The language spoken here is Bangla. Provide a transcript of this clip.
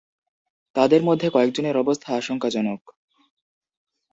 তাঁদের মধ্যে কয়েকজনের অবস্থা আশঙ্কাজনক।